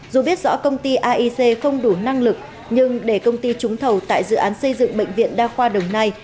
dù biết rõ công ty aic không đủ năng lực nhưng để công ty trúng thầu tại dự án xây dựng bệnh viện đa khoa đồng nai